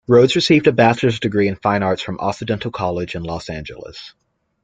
Rohde received a bachelor's degree in Fine Arts from Occidental College in Los Angeles.